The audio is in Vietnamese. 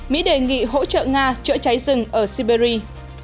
mỹ đề nghị hỗ trợ nga chữa cháy rừng ở siberia